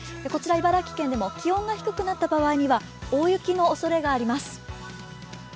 こちら茨城県でも気温が低くなった場合には大雪のおそれがあります。